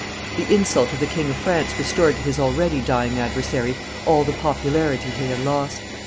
The insult of the King of France restored to his already dying adversary all the popularity he had lost.